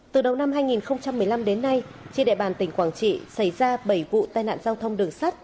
từ đầu năm hai nghìn một mươi năm đến nay trên địa bàn tỉnh quảng trị xảy ra bảy vụ tai nạn giao thông đường sắt